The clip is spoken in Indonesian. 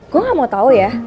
gue gak mau tahu ya